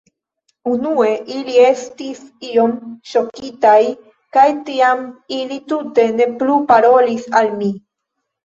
Unue ili estis iom ŝokitaj kaj tiam ili tute ne plu parolis al mi.